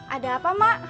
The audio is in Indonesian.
ada apa mak